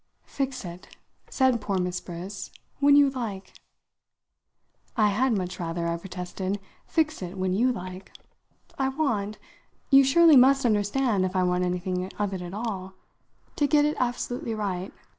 "Fix it," said poor Mrs. Briss, "when you like!" "I had much rather," I protested, "fix it when you like. I want you surely must understand if I want anything of it at all to get it absolutely right."